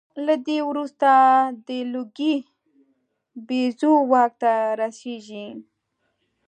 له ده وروسته د لوګي بیزو واک ته رسېږي.